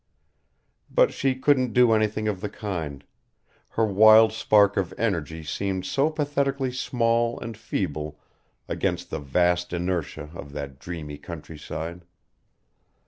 But she couldn't do anything of the kind; her wild spark of energy seemed so pathetically small and feeble against the vast inertia of that dreamy countryside.